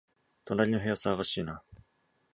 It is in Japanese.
隣の部屋、騒がしいな